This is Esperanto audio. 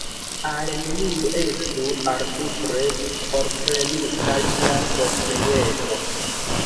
Al neniu estu arbitre forprenita lia proprieto.